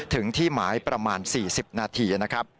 ถึงที่หมายประมาณ๔๐นาที